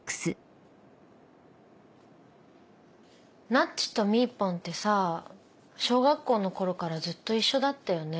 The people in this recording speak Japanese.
なっちとみーぽんってさ小学校の頃からずっと一緒だったよね。